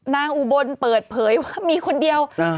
อุบลเปิดเผยว่ามีคนเดียว